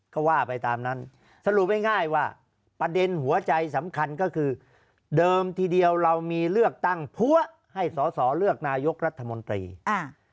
ก็ว่าไปตามนั้นสรุปง่ายง่ายว่าประเด็นหัวใจสำคัญก็คือเดิมทีเดียวเรามีเลือกตั้งพัวให้สอสอเลือกนายกรัฐมนตรีอ่า